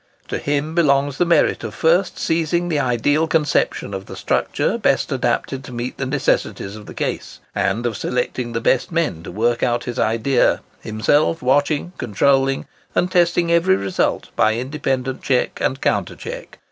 To him belongs the merit of first seizing the ideal conception of the structure best adapted to meet the necessities of the case; and of selecting the best men to work out his idea, himself watching, controlling, and testing every result, by independent check and counter check.